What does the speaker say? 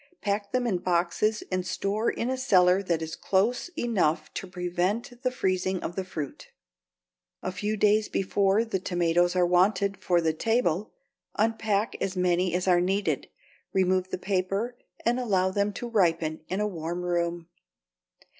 Pack them in boxes and store in a cellar that is close enough to prevent the freezing of the fruit. A few days before the tomatoes are wanted for the table unpack as many as are needed, remove the paper, and allow them to ripen in a warm room.